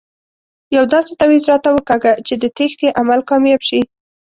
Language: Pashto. یو داسې تاویز راته وکاږه چې د تېښتې عمل کامیاب شي.